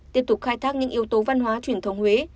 tiếp tục khai thác những yếu tố văn hóa truyền thống huế